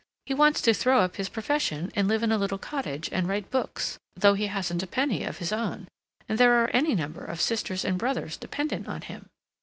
He wants to throw up his profession and live in a little cottage and write books, though he hasn't a penny of his own, and there are any number of sisters and brothers dependent on him."